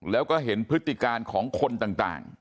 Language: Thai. แล้วก็เห็นพฤติการของคนต่าง